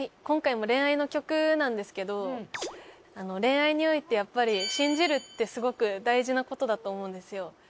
今回も恋愛の曲なんですけど恋愛においてやっぱり信じるってすごく大事なことだと思うんですよ。